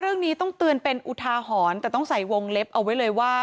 เรื่องนี้ต้องเตือนเป็นอุทาหรณ์แต่ต้องใส่วงเล็บเอาไว้เลยว่า